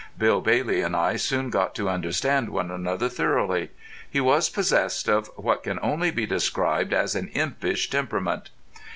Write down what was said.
Bill Bailey and I soon got to understand one another thoroughly. He was possessed of what can only be described as an impish temperament.